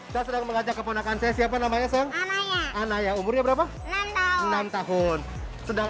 saya sedang mengajak keponakan saya siapa namanya song anak ya umurnya berapa enam tahun sedang